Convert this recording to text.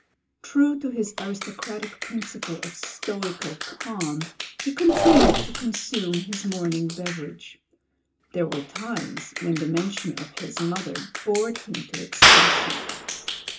True to his aristocratic principle of stoical calm he continued to consume his morning beverage. There were .times when the mention of his mother bored him to extinc tion.